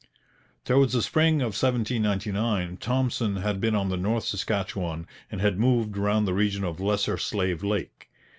Towards the spring of 1799 Thompson had been on the North Saskatchewan and had moved round the region of Lesser Slave Lake.